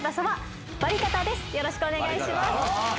よろしくお願いします。